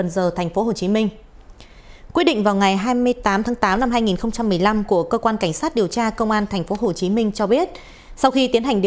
xin chào các bạn